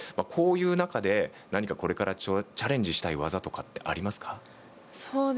こういう中で何かこれからチャレンジしたい技とかってありますか？